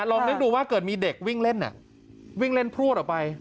ลองนึกดูว่าเกิดมีเด็กวิ่งเล่นวิ่งเล่นพลวดออกไป